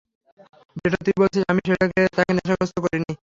যেটা তুই বলছিস, আমি তাকে নেশাগ্রস্ত করিনি।